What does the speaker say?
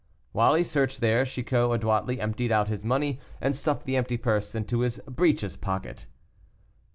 While he searched there Chicot adroitly emptied out his money, and stuffed the empty purse into his breeches pocket.